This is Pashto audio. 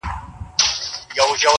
نه به زه یم نه به ته نه دا وطن وي-